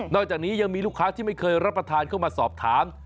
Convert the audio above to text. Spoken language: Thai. จากนี้ยังมีลูกค้าที่ไม่เคยรับประทานเข้ามาสอบถาม